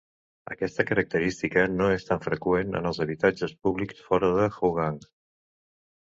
Aquesta característica no és tan freqüent en els habitatges públics fora de Hougang.